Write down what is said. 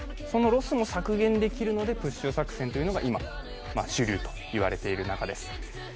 そのロスも削減できるので、プッシュ作戦というのが今、主流といわれている中です。